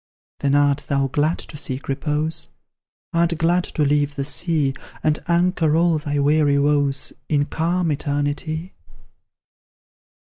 "Then art thou glad to seek repose? Art glad to leave the sea, And anchor all thy weary woes In calm Eternity?